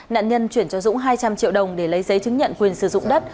nạn nhân chuyển cho dũng hai trăm linh triệu đồng để lấy giấy chứng nhận quyền sử dụng đất